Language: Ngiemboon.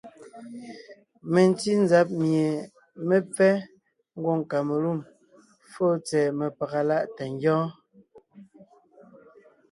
Mentí nzab mie mé pfɛ́ɛ ngwòŋ Kamelûm fóo tsɛ̀ɛ mepaga láʼ tà ngyɔ́ɔn.